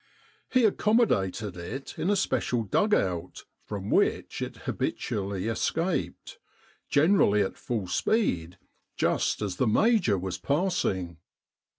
He accommodated it in a special dug out, from which it habitually escaped ; generally at full speed just as the Major was passing.